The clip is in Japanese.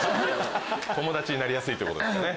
友達になりやすいってことですかね。